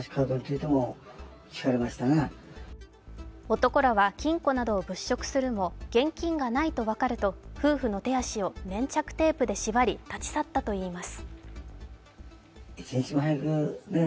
男らは金庫などを物色するも現金がないと分かると夫婦の手足を粘着テープで縛り立ち去ったといいます。